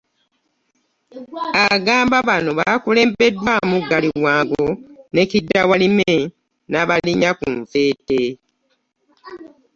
Agamba bano bakulembeddwamu Galiwango ne Kiddawalime n'abalinnya ku nfeete.